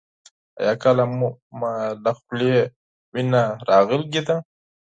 ایا کله مو له خولې وینه راغلې ده؟